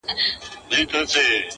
زه چي سهار له خوبه پاڅېږمه _